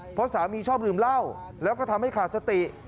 เพราะสามีชอบดื่มเหล้าแล้วก็ทำให้ขาดสติ